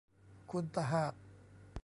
คุณตะหาก